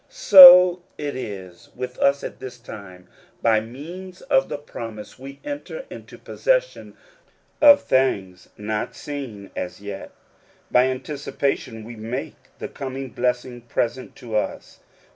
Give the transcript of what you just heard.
So it is with us at this time ; by means of the promise we enter into possession of things not seen as yet. By anticipation we make the coming blessing present to us.